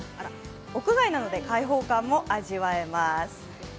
屋外なので開放感も味わえます。